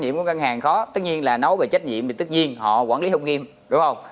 nhiệm của ngân hàng có tất nhiên là nói về trách nhiệm thì tất nhiên họ quản lý thông nghiêm đúng không